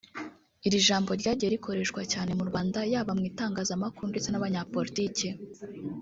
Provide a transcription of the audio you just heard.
Iri ijambo ryagiye rikoreshwa cyane mu Rwanda yaba mu itangazamakuru ndetse n’abanyapolitike